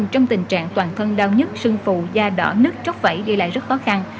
trong tình trạng toàn thân đau nhất sưng phù da đỏ nứt tróc vẫy đi lại rất khó khăn